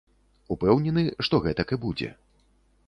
Упэўнены, што гэтак і будзе.